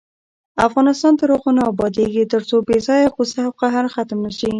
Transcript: افغانستان تر هغو نه ابادیږي، ترڅو بې ځایه غوسه او قهر ختم نشي.